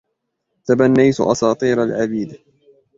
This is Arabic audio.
تَبَنَّيْتُ أساطير العبيد